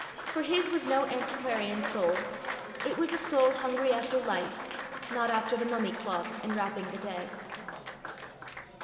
For his was no antiquarian soul; it was a soul hungry after life, not after the mummy cloths enwrapping the dead.